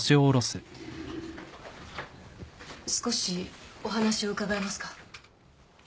少しお話を伺えますか？